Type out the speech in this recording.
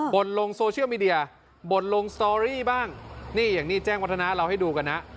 ลงโซเชียลมีเดียบ่นลงสตอรี่บ้างนี่อย่างนี้แจ้งวัฒนาเราให้ดูกันนะ